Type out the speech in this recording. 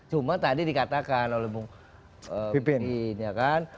cuma tadi dikatakan oleh budi ya kan